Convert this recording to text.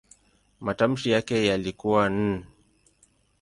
Matamshi yake yalikuwa "n".